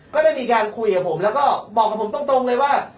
ก็ได้มีการคุยกับผมแล้วก็บอกกับผมตรงเลยว่า